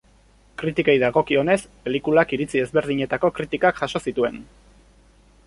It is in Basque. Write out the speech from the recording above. Kritikei dagokionez, pelikulak iritzi ezberdinetako kritikak jaso zituen.